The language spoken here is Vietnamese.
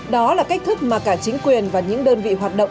đó là cách thức mà cả chính quyền và những đơn vị hoạt động